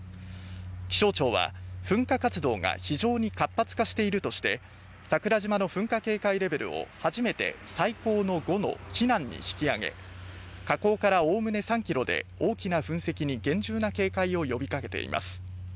気象庁は噴火活動が非常に活発化しているとして桜島の噴火警戒レベルを初めて最高の５の避難に引き上げ火口からおおむね３ｋｍで大きな噴石に厳重な警戒を呼びかけています。